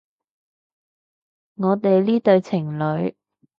我哋呢對情侣